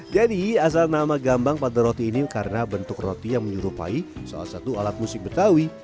jadi asal nama gambang pada roti ini karena bentuk roti yang menyerupai salah satu alat musik betawi